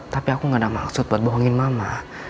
tapi aku gak ada maksud buat bohongin mama